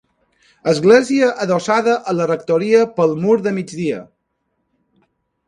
Església adossada a la rectoria pel mur de migdia.